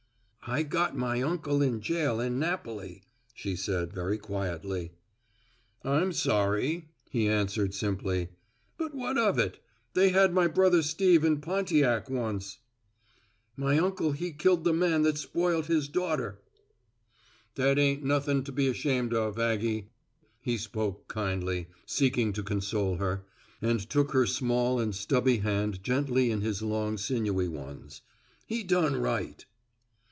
"I got my uncle in jail in Napoli," she said very quietly. "I'm sorry," he answered simply. "But what of it? They had my brother Steve in Pontiac once." "My uncle he killed the man that spoilt his daughter." "That ain't nothing to be ashamed of, Aggie," he spoke kindly, seeking to console her, and took her small and stubby hand gently in his long sinewy ones; "he done right."